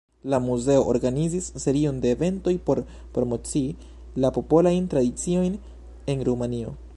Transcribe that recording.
La muzeo organizis serion de eventoj por promocii la Popolajn Tradiciojn en Rumanio.